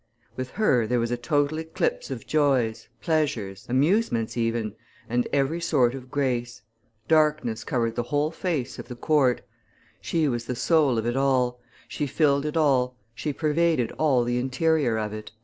"With her there was a total eclipse of joys, pleasures, amusements even, and every sort of grace; darkness covered the whole face of the court; she was the soul of it all, she filled it all, she pervaded all the interior of it."